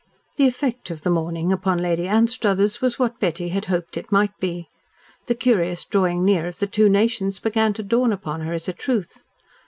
The effect of the morning upon Lady Anstruthers was what Betty had hoped it might be. The curious drawing near of the two nations began to dawn upon her as a truth.